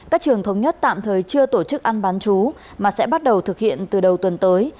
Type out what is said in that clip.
các trường thống nhất tạm thời chưa tổ chức ăn bán chú mà sẽ bắt đầu thực hiện từ đầu tuần tới